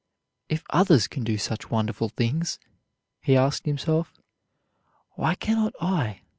"If others can do such wonderful things," he asked himself, "why cannot I?"